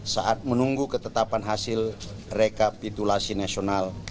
saat menunggu ketetapan hasil rekapitulasi nasional